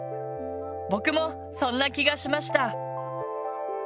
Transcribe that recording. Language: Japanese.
僕もそんな気がしました！